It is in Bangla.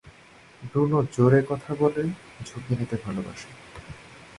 ব্রুনো জোরে কথা বলে, ঝুঁকি নিতে ভালোবাসে।